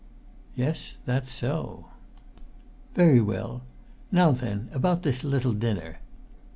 "Yes, that's so." "Very well! Now then, about this little dinner.